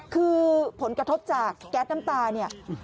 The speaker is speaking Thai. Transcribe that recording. คือผลกระทบจากแก๊สน้ำตาเนี่ย